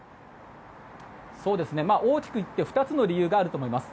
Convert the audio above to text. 大きく言って２つの理由があると思います。